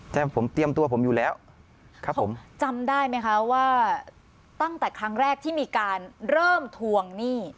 แต่ผมเตรียมตัวผมอยู่แล้วครับผมจำได้ไหมคะว่าตั้งแต่ครั้งแรกที่มีการเริ่มทวงหนี้